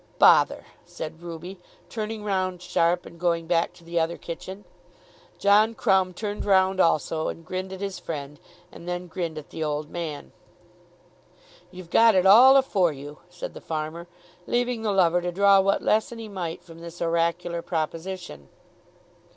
"Bother!" said Ruby, turning round sharp, and going back to the other kitchen. John Crumb turned round also, and grinned at his friend, and then grinned at the old man. "You've got it all afore you," said the farmer, leaving the lover to draw what lesson he might from this oracular proposition.